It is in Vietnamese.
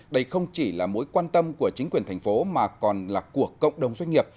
đây không chỉ là mối quan tâm của chính quyền thành phố mà còn là của cộng đồng doanh nghiệp